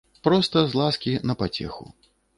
Проста з ласкі на пацеху.